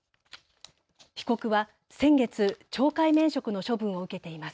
被告は先月、懲戒免職の処分を受けています。